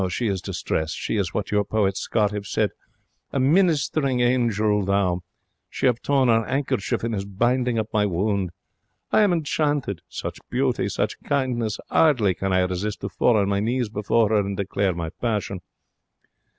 She is distressed. She is what your poet Scott 'ave said, a ministering angel thou. She 'ave torn her 'andkerchief and is binding up my wound. I am enchanted. Such beauty! Such kindness! 'Ardly can I resist to fall on my knees before 'er and declare my passion.